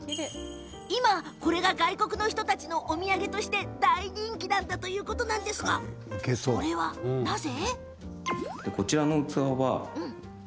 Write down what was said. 今、これが外国の人たちのお土産として大人気だというんですがそれはなぜ？